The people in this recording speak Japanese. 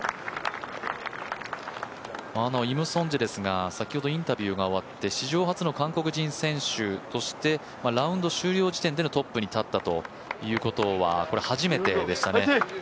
イム・ソンジェですが先ほどインタビューが終わって史上初の韓国人選手としてラウンド終了地点でのトップに立ったということは初めてでしたね。